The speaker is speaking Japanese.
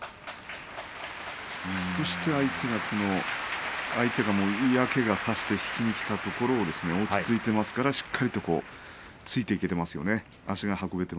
そして相手が嫌気が差して引きにきたところを落ち着いていますからしっかりとついていけていますよね。